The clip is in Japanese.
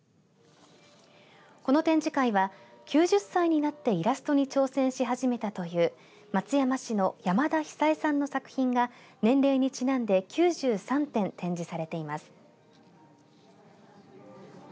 この展示会は９０歳になってイラストに挑戦し始めたという松山市の山田久栄さんの作品が年齢にちなんで９３点展示されています。